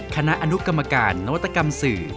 คณะอนุกรรมการนวัตกรรมสื่อ